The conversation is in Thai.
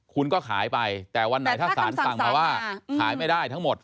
คุณก็ขายไปแต่วันไหนถ้าสารสั่งมาว่าขายไม่ได้ทั้งหมด